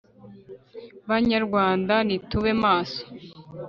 banyarwanda nitube maso